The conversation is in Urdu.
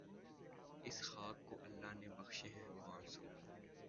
اس خاک کو اللہ نے بخشے ہیں وہ آنسو